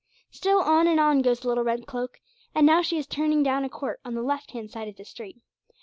Still on and on goes the little red cloak. And now she is turning down a court on the left hand side of the street.